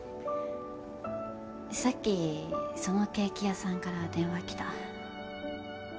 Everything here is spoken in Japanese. さっきそのケーキ屋さんから電話きた。